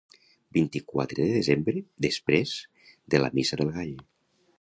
Vint-i-quatre de desembre, després de la Missa del Gall.